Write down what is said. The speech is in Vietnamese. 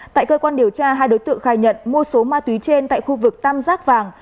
tại cơ quan điều tra hai đối tượng khai nhận mua số ma túy trên tại khu vực tam giác vàng